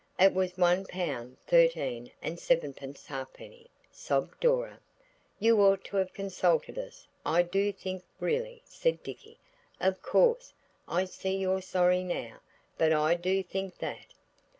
"It was one pound thirteen and sevenpence halfpenny," sobbed Dora. "You ought to have consulted us, I do think, really," said Dicky. "Of course, I see you're sorry now, but I do think that."